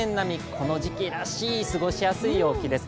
この時期らしい過ごしやすい陽気です。